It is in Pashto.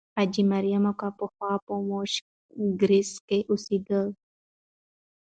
حاجي مریم اکا پخوا په موشک کارېز کې اوسېدلې وه.